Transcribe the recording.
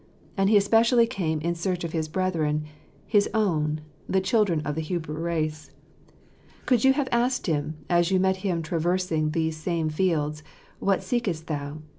And He especially came in search of his brethren, his own, the children of the Hebrew race. Could you have asked Him, as you met Him traversing those same fields, "What seekest Thou ?